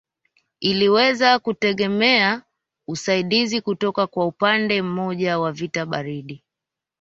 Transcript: Iliweza kutegemea usaidizi kutoka kwa upande mmoja wa vita baridi